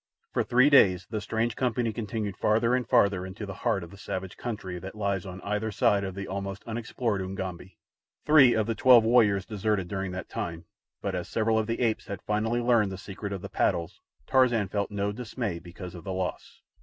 For three days the strange company continued farther and farther into the heart of the savage country that lies on either side of the almost unexplored Ugambi. Three of the twelve warriors deserted during that time; but as several of the apes had finally learned the secret of the paddles, Tarzan felt no dismay because of the loss.